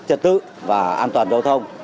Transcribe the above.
trật tự và an toàn giao thông